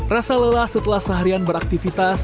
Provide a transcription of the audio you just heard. rasa lelah setelah seharian beraktivitas